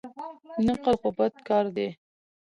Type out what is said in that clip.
نقل خو بد کار دئ.